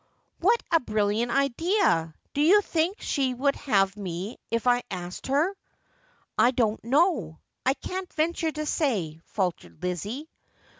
' What a brilliant idea ! Do you think she would have me if I asked her 1 '' I don't know. I can't venture to say,' faltered Lizzie.